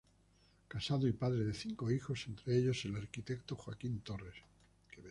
Casado y padre de cinco hijos, entre ellos el arquitecto Joaquín Torres.